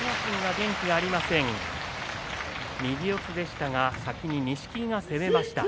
右四つでしたが先に錦木が攻めました。